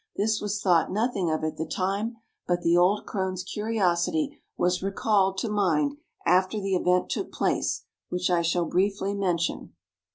This was thought nothing of at the time, but the old crone's curiosity was recalled to mind after the event took place, which I shall briefly mention.